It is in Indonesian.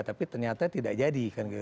tapi ternyata tidak jadi